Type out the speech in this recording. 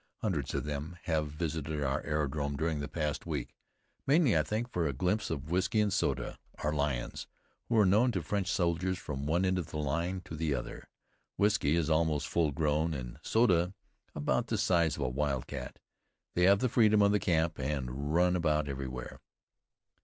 Hundreds of them have visited our aerodrome during the past week, mainly, I think, for a glimpse of Whiskey and Soda, our lions, who are known to French soldiers from one end of the line to the other. Whiskey is almost full grown, and Soda about the size of a wild cat. They have the freedom of the camp and run about everywhere.